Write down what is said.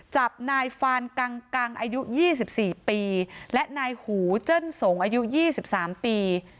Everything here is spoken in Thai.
จับนายฟานกังกังอายุยี่สิบสี่ปีและนายหูเจิ้นสงอายุยี่สิบสามปี